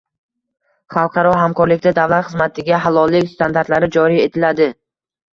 Xalqaro hamkorlikda davlat xizmatiga halollik standartlari joriy etilading